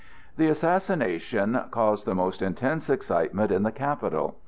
The assassination caused the most intense excitement in the capital.